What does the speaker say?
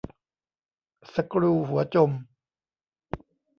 สกรูหัวจม